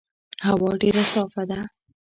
هوا ډېر صافه ده.